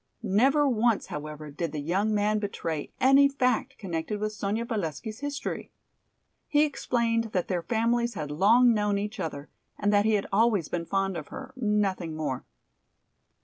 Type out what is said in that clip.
Never once, however, did the young man betray any fact connected with Sonya Valesky's history. He explained that their families had long known each other and that he had always been fond of her, nothing more.